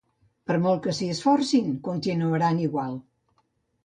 Per molt que s'hi esforcin, continuaran igual.